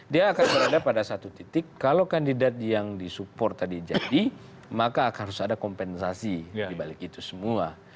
dia akan berada pada satu titik kalau kandidat yang disupport tadi jadi maka harus ada kompensasi dibalik itu semua